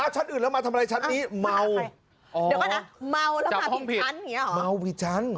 ชั้นอื่นแล้วมาทำอะไรชั้นนี้